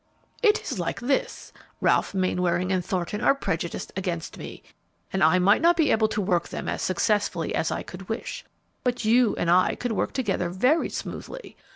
"It is like this: Ralph Mainwaring and Thornton are prejudiced against me; I might not be able to work them as successfully as I could wish, but you and I could work together very smoothly.